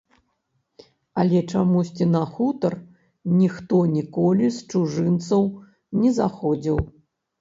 Але чамусьці на хутар ніхто ніколі з чужынцаў не заходзіў.